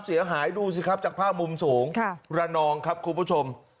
เสียหายดูสิครับจากภาพมุมสูงระนองครับคุณผู้ชม